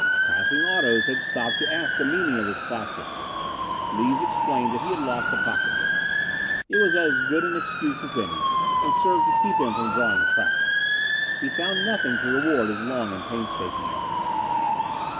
Passing autos had stopped to ask the meaning of his flashlight. Lees explained he had lost a pocketbook. It was as good an excuse as any and served to keep him from drawing a crowd. He found nothing to reward his long and painstaking efforts.